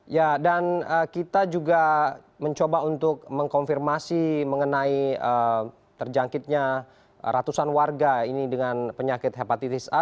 ya dan kita juga mencoba untuk mengkonfirmasi mengenai terjangkitnya ratusan warga ini dengan penyakit hepatitis a